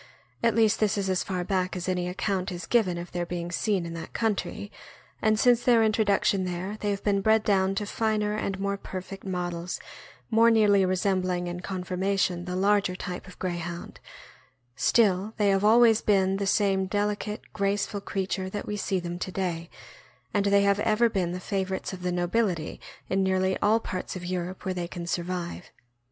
at least this is as far back as any account is given of their being seen in that country, and since their introduction there they have been bred down to finer and more perfect models, more nearly resembling in conformation the larger type of Greyhound; still they have always been the same delicate, graceful creature that we see them to day; and they have ever been the favorites of the nobility in nearly all parts of Europe where they can survive.